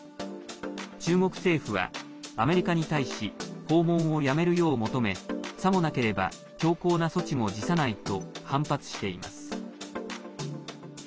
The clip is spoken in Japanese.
中国政府はアメリカに対し訪問をやめるよう求めさもなければ強硬な措置も辞さないと反発しています。